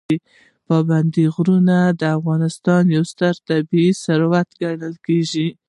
پابندي غرونه د افغانستان یو ستر طبعي ثروت ګڼل کېږي.